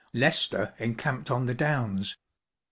Leicestef encamped on the downs.